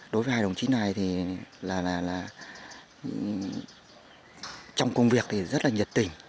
đối với hai đồng chí này thì là trong công việc thì rất là nhiệt tình